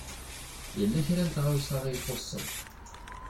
Yella kra n tɣawsa i ixuṣṣen.